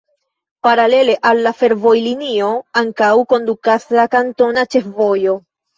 Paralele al la fervojlinio ankaŭ kondukas la kantona ĉefvojo.